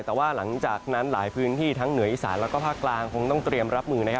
แต่ว่าหลังจากนั้นหลายพื้นที่ทั้งเหนืออีสานแล้วก็ภาคกลางคงต้องเตรียมรับมือนะครับ